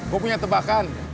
gue punya tebakan